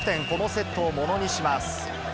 このセットをものにします。